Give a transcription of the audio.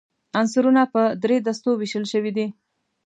عنصرونه په درې دستو ویشل شوي دي.